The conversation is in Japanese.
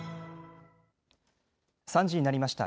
３時になりました。